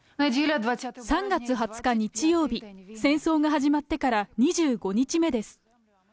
３月２０日日曜日、戦争が始まってから２５日目です。